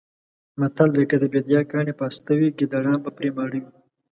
متل دی: که د بېدیا کاڼي پاسته وی ګېدړان به پرې ماړه وی.